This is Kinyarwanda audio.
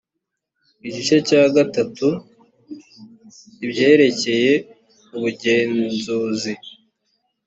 igice cya gatatu ibyerekeye ubugenzuzi